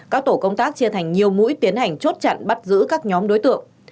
các tổ công tác chia thành nhiều mũi tiến hành chốt chặn bắt giữ các nhóm đối tượng